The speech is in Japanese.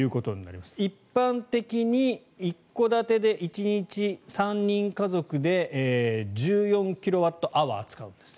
一般的に一戸建てで１日３人家族で１４キロワットアワー使うんです。